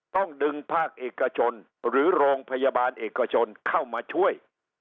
ต้องดึงภาคเอกชนหรือโรงพยาบาลเอกชนเข้ามาช่วย